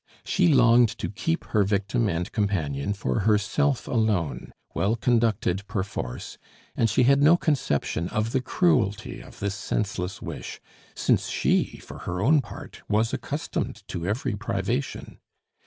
She longed to keep her victim and companion for herself alone, well conducted perforce, and she had no conception of the cruelty of this senseless wish, since she, for her own part, was accustomed to every privation.